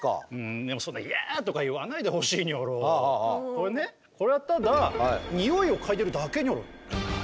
これねこれはただニオイを嗅いでいるだけニョロ。